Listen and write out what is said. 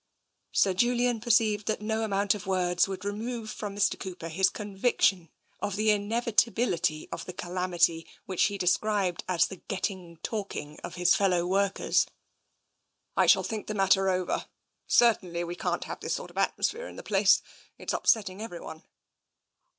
Sir Julian perceived that no amount of words would remove from Mr. Cooper his conviction of the in evitability of the calamity which he described as the getting talking " of his fellow workers. I shall think the matter over. Certainly we can't have this sort of atmosphere in the place. It's up setting everyone."